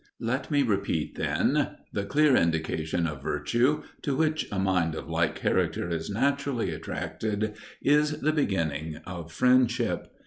14. Let me repeat then, "the clear indication of virtue, to which a mind of like character is naturally attracted, is the beginning of friendship."